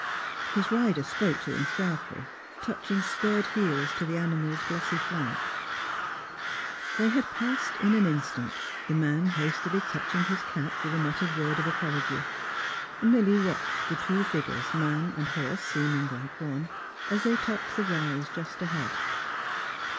His rider spoke to him sharply, touching spurred heels to the animal's glossy flank. They had passed in an instant — the man hastily touching his cap with a muttered word of apology. Milly watched the two figures — man and horse seeming like one — as they topped the rise just ahead.